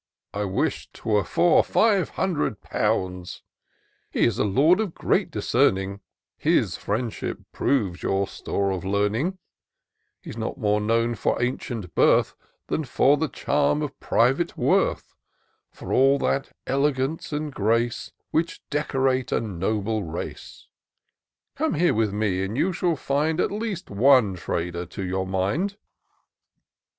I wish 'twere for five hundred pounds ! He is a lord of great discerning ; His friendship proves your store of learning; He's not more known for ancient birth, Than for the charm of private worth ; For all that elegance and grace Which decorate a noble race : Come here with me, and you shall find At least one trader to your mind."